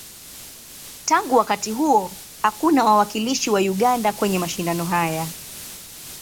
Tangu wakati huo, hakuna wawakilishi wa Uganda kwenye mashindano haya.